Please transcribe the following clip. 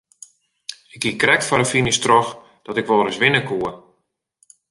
Ik hie krekt foar de finish troch dat ik wol ris winne koe.